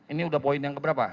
ini udah poin yang keberapa